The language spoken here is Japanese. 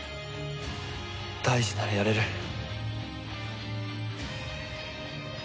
大二ならやれる。